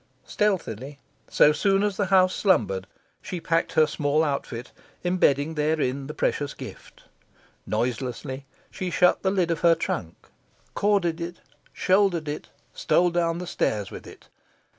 Stealthily, so soon as the house slumbered, she packed her small outfit, embedding therein the precious gift. Noiselessly, she shut the lid of her trunk, corded it, shouldered it, stole down the stairs with it.